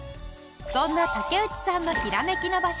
そんな竹内さんのヒラメキの場所。